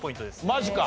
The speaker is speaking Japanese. マジか。